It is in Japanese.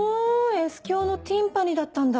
Ｓ響のティンパニだったんだ。